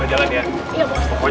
ya allah salamualaikum